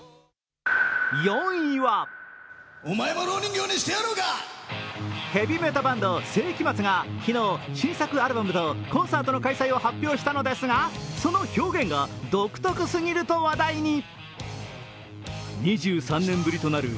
４位はヘビメタバンド、聖飢魔Ⅱが昨日、新作アルバムとコンサートの開催を発表したのですがその表現が独特すると話題に。